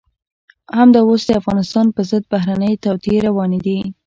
همدا اوس د افغانستان په ضد بهرنۍ توطئې روانې دي.